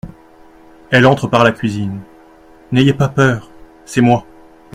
(Elle entre par la cuisine.) N'ayez pas peur, c'est moi.